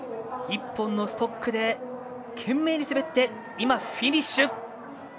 １本のストックで懸命に滑って今、フィニッシュ！